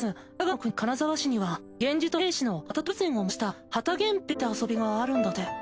国金澤市には源氏と平氏の旗取り合戦を模した旗源平って遊びがあるんだって。